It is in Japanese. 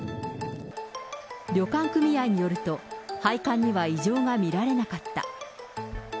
旅館組合によると、配管には異常が見られなかった。